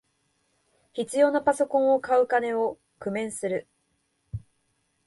必要なパソコンを買う金を工面する